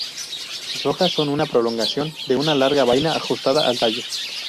Sus hojas son una prolongación de una larga vaina ajustada al tallo.